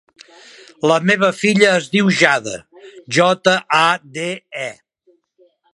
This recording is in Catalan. La meva filla es diu Jade: jota, a, de, e.